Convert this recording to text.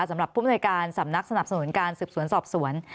สำหรับผู้มนวยการสำนักสนับสนุนการสืบสวนสอบสวน